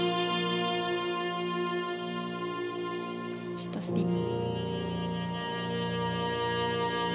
シットスピン。